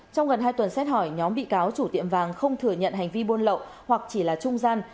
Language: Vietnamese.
trong gần hai tuần xét hỏi nhóm bị cáo chủ tiệm vàng không thừa nhận hành vi buôn lậu hoặc chỉ là trung gian